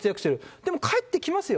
でも帰ってきますよ。